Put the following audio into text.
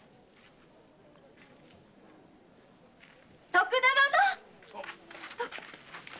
徳田殿っ！